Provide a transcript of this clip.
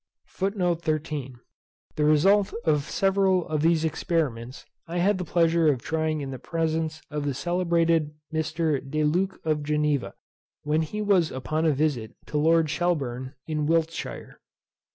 FOOTNOTES: The result of several of these experiments I had the pleasure of trying in the presence of the celebrated Mr. De Luc of Geneva, when he was upon a visit to Lord Shelburne in Wiltshire.